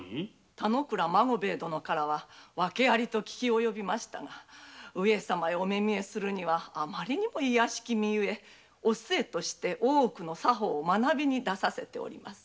田之倉殿からは訳ありと聞き及びましたが上様にお目見えするには余りにも卑しき身ゆえ「お末」として作法を学びに出させております。